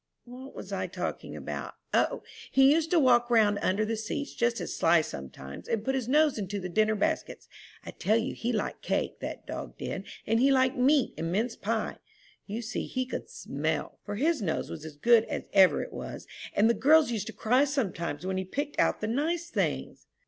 "What was I talking about O, he used to walk round under the seats just as sly sometimes, and put his nose into the dinner baskets. I tell you he liked cake, that dog did, and he liked meat and mince pie. You see he could smell, for his nose was as good as ever it was, and the girls used to cry sometimes when he picked out the nice things."